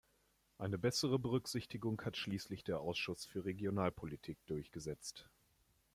Eine bessere Berücksichtigung hat schließlich der Ausschuss für Regionalpolitik durchgesetzt.